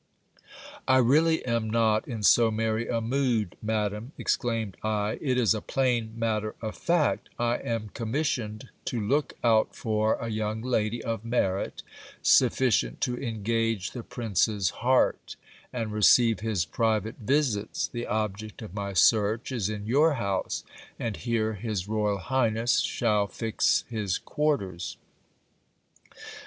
I really am not in so merry a mood, madam ! exclaimed I : it is a plain matter of fact ; I am commissioned to look out for a young lady of merit sufficient to engage the prince's heart, and receive his private visits ; the object of my search is in your house, and here his royal highness shall fix his quarters.